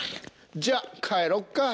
じゃあ帰ろっか。